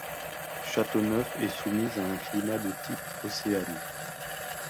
Châteauneuf est soumise à un climat de type océanique.